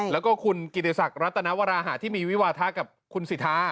แล้วก็คุณกิติศักดิ์รัตนวราหะที่มีวิวาทะกับคุณสิทธา